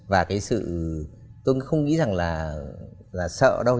và cái sự tôi không nghĩ rằng là sợ đâu